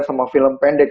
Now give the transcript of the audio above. sama film pendek